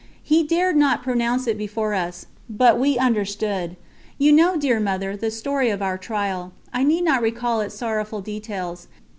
He dared not pronounce it before us, but we understood. You know, dear Mother, the story of our trial; I need not recall its sorrowful details.